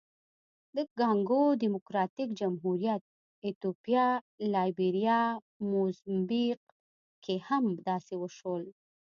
د کانګو ډیموکراتیک جمهوریت، ایتوپیا، لایبیریا، موزمبیق کې هم داسې وشول.